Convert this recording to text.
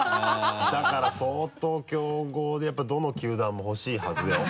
だから相当競合でやっぱどの球団も欲しいはずよ。